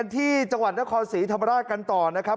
ที่จังหวัดนครศรีธรรมราชกันต่อนะครับ